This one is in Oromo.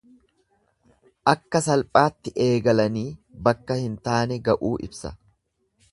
Akka salphaatti eegalanii bakka hin taane ga'uu ibsa.